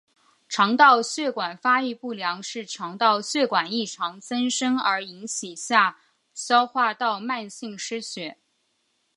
肠道血管发育不良是肠道血管异常增生而引起下消化道慢性失血。